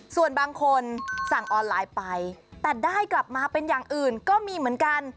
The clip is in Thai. ส่วนบางคนสั่งออนไลน์ไปแต่ได้กลับมาเป็นอย่างอื่นก็มีเหมือนกัน